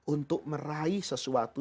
untuk meraih sesuatu